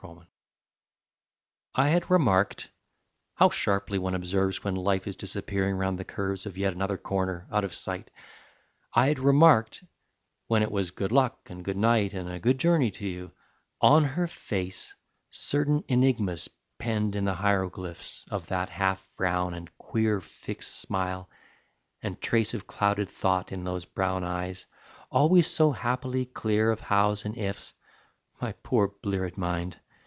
VALEDICTORY I had remarked how sharply one observes When life is disappearing round the curves Of yet another corner, out of sight! I had remarked when it was "good luck" and "good night" And "a good journey to you," on her face Certain enigmas penned in the hieroglyphs Of that half frown and queer fixed smile and trace Of clouded thought in those brown eyes, Always so happily clear of hows and ifs My poor bleared mind!